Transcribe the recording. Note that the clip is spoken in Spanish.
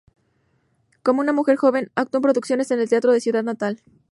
Como una mujer joven, actuó en producciones en el teatro de su ciudad natal.